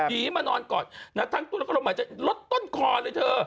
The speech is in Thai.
ผีมานอนกอดทั้งตุนลงมาจะลดต้นคอเลยเธอ